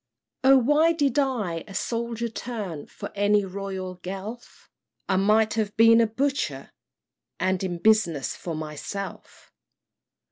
"O why did I a soldier turn For any royal Guelph? I might have been a Butcher, and In business for myself!